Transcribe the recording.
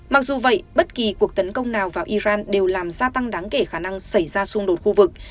mặc dù vậy bất kỳ cuộc tấn công nào vào iran đều làm gia tăng đáng kể khả năng xảy ra xung đột khu vực